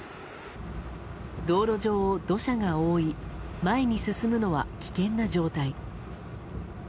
道路上を土砂が覆い前に進むのは危険な状態。